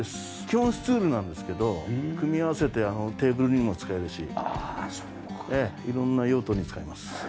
基本スツールなんですけど組み合わせてテーブルにも使えるし色んな用途に使えます。